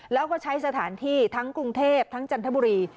แล้วก็ใช้สถานที่ทั้งกรุงเทพทั้งจันทบุรี